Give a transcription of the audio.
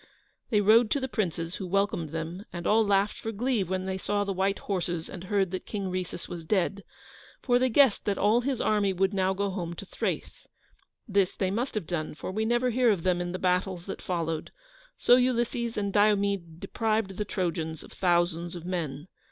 They rode to the princes, who welcomed them, and all laughed for glee when they saw the white horses and heard that King Rhesus was dead, for they guessed that all his army would now go home to Thrace. This they must have done, for we never hear of them in the battles that followed, so Ulysses and Diomede deprived the Trojans of thousands of men.